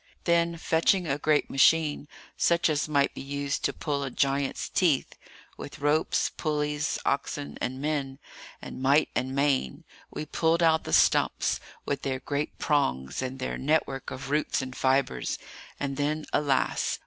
Then, fetching a great machine, such as might be used to pull a giant's teeth, with ropes, pulleys, oxen, and men, and might and main, we pulled out the stumps, with their great prongs and their network of roots and fibres; and then, alas!